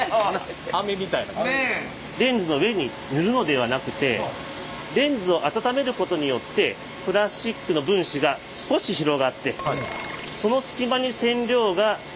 レンズの上に塗るのではなくてレンズを温めることによってプラスチックの分子が少し広がってその隙間に染料が入って色が付く。